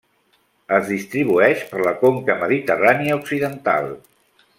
Es distribueix per la Conca Mediterrània occidental.